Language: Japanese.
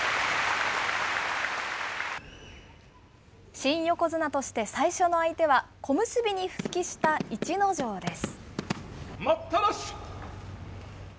新横綱として最初の相手は、小結に復帰した逸ノ城です。